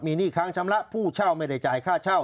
หนี้ค้างชำระผู้เช่าไม่ได้จ่ายค่าเช่า